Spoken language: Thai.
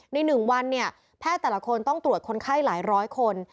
ใน๑วันเนี่ยแพทย์แต่ละคนต้องตรวจคนไข้หลายร้อยคน